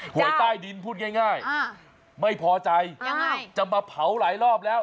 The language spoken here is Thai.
หวยใต้ดินพูดง่ายไม่พอใจยังไงจะมาเผาหลายรอบแล้ว